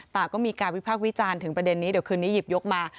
ก็มีการวิพากษ์วิจารณ์ถึงประเด็นนี้เดี๋ยวคืนนี้หยิบยกมา